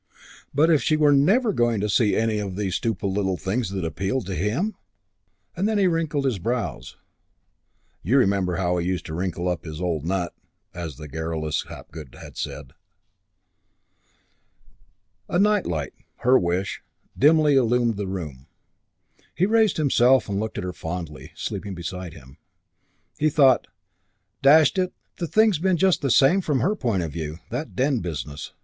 But if she were never going to see any of these stupid little things that appealed to him ? And then he wrinkled his brows. "You remember how he used to wrinkle up his old nut," as the garrulous Hapgood had said. A night light, her wish, dimly illumined the room. He raised himself and looked at her fondly, sleeping beside him. He thought, "Dash it, the thing's been just the same from her point of view. That den business.